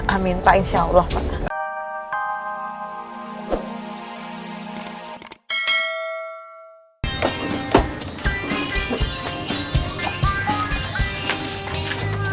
amin pak insya allah